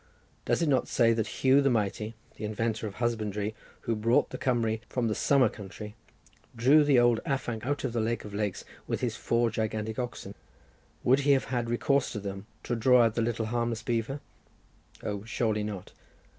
Does it not say that Hu the Mighty, the inventor of husbandry, who brought the Cumry from the summer country, drew the old afanc out of the lake of lakes with his four gigantic oxen? Would he have had recourse to them to draw out the little harmless beaver? O, surely not.